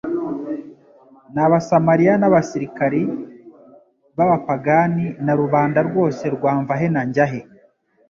n'Abasamaliya n'abasirikari b'abapagani na rubanda rwose rwa mvahe na njyahe.